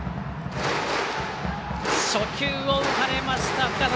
初球を打たれました、深沢。